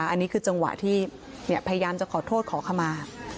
อันนี้คือจังหวะที่พยายามจะขอโทษขอขมา